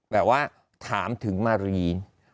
แบบว่าถามถึงมารี